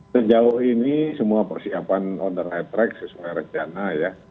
sejauh ini semua persiapan on the right track sesuai rencana ya